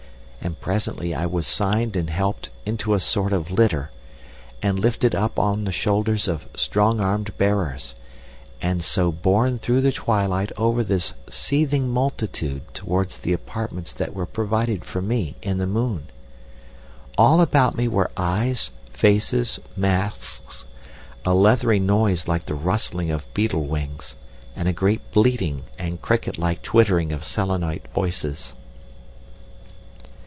And presently I was signed and helped into a sort of litter, and lifted up on the shoulders of strong armed bearers, and so borne through the twilight over this seething multitude towards the apartments that were provided for me in the moon. All about me were eyes, faces, masks, a leathery noise like the rustling of beetle wings, and a great bleating and cricket like twittering of Selenite voices."